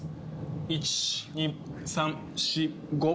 １、２、３、４、５。